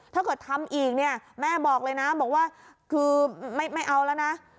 ถ้าเกิดทำอีกเนี่ยแม่บอกเลยนะบอกว่าคือไม่เอาแล้วนะ